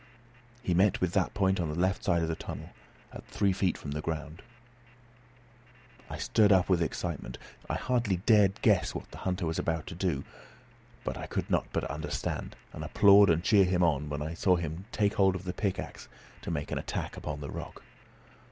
He met with that point on the left side of the tunnel, at three feet from the ground. I was stirred up with excitement. I hardly dared guess what the hunter was about to do. But I could not but understand, and applaud and cheer him on, when I saw him lay hold of the pickaxe to make an attack upon the rock.